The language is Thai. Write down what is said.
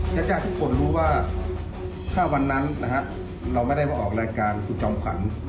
มีความรู้สึกว่าถ้าวันนั้นเราไม่ได้มาออกรายการฝุ่นจอมขวัญ